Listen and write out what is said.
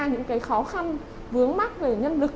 những khó khăn vướng mắt về nhân lực